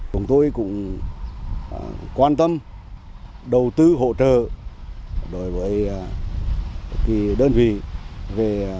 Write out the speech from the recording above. chúng tôi cũng quan tâm đầu tư hỗ trợ đối với đơn vị về giảm wyatt tính sách